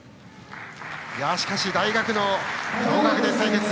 しかし、大学の同学年対決。